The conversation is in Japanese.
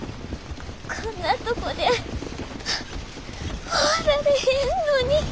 こんなとこで終わられへんのに。